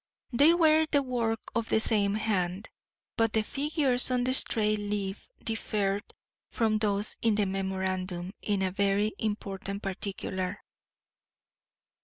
They were the work of the same hand, but the figures on the stray leaf differed from those in the memorandum in a very important particular.